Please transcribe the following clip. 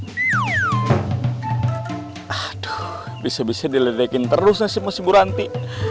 hai ada bisa bisa diledekin terus nasib nasibul anti